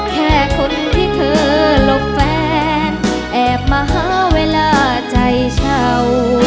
แค่คนที่เธอหลบแฟนแอบมาหาเวลาใจเช่า